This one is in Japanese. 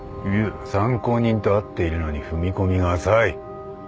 参考人と会っているのに踏み込みが浅い。